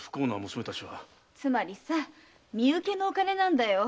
つまりさ身請けのお金なんだよ。